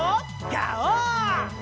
ガオー！